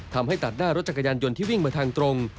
ทำให้ตัดหน้ารถจักรยานยนต์ที่วิ่งมาทางตรง